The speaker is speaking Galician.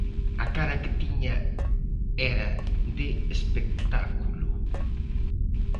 A cara que tiña era de espectáculo.